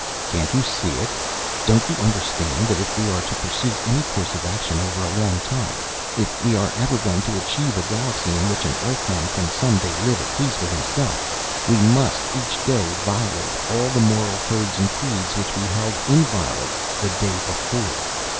"Can't you see it? Don't you understand that, if we are to pursue any course of action over a long time if we are ever going to achieve a galaxy in which an Earthman can some day live at peace with himself we must each day violate all the moral codes and creeds which we held inviolate the day before?